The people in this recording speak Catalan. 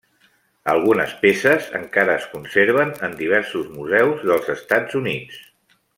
Algunes peces encara es conserven en diversos museus dels Estats Units.